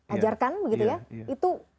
ajarkan begitu ya